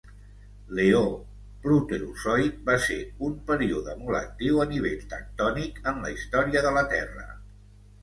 L'eó Proterozoic va ser un període molt actiu a nivell tectònic en la història de la Terra.